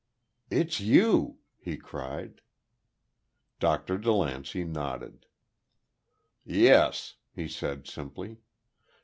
"It's you!" he cried. Dr. DeLancey nodded. "Yes," he said, simply.